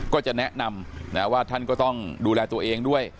ก็จะแนะนำนะว่าท่านก็ต้องดูแลตัวเองด้วย